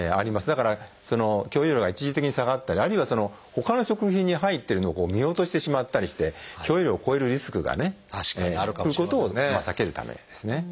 だから許容量が一時的に下がったりあるいはほかの食品に入ってるのを見落としてしまったりして許容量を超えるリスクがねということを避けるためですね。